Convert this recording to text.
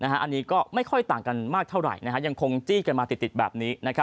อันนี้ก็ไม่ค่อยต่างกันมากเท่าไหร่ยังคงจี้กันมาติดแบบนี้